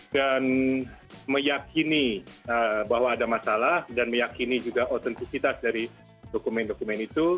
meyakini bahwa ada masalah dan meyakini juga otentisitas dari dokumen dokumen itu